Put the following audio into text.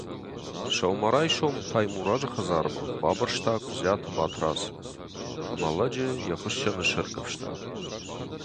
Сӕумӕрайсом Таймуразы хӕдзармӕ бабырста Куыдзиты Батрадз ӕмӕ лӕджы йӕ хуыссӕны сӕргӕвста.